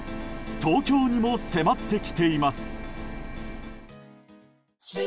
東京にも迫ってきています。